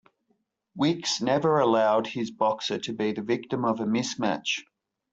Wicks never allowed his boxer to be the victim of a mis-match.